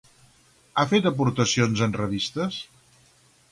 Ha fet aportacions en revistes?